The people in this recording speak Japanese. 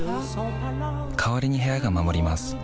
代わりに部屋が守ります